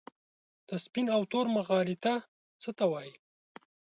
د سپین او تور مغالطه څه ته وايي؟